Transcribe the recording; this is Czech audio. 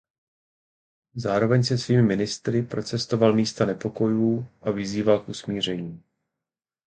Zároveň se svými ministry procestoval místa nepokojů a vyzýval k usmíření.